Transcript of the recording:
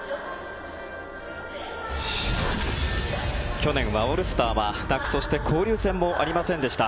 去年はオールスターはなくそして交流戦もありませんでした。